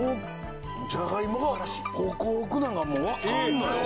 じゃがいもがホクホクなのがもうわかるのよ。